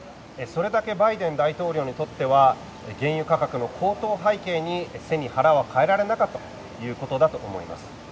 それだけバイデン大統領にとっては原油価格の高騰を背景に背に腹は変えられなかったということだと思います。